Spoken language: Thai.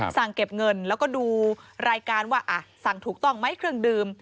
สั่งเก็บเงินแล้วก็ดูรายการว่าสั่งถูกต้องไหมเครื่องดื่ม